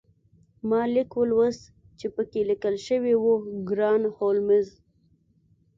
ما لیک ولوست چې پکې لیکل شوي وو ګران هولمز